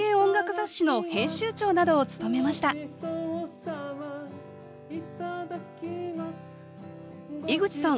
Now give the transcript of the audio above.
雑誌の編集長などを務めました井口さん